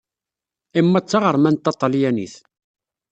Emma d taɣermant taṭalyanit.